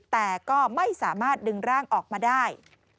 แต่ก็ไม่สามารถดึงร่างออกมาได้